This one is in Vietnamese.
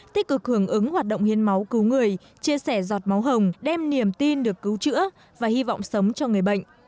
tích cực hưởng ứng hoạt động hiến máu cứu người chia sẻ giọt máu hồng đem niềm tin được cứu chữa và hy vọng sống cho người bệnh